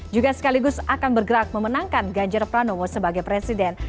juga sekaligus akan bergerak memenangkan ganjar pranowo sebagai presiden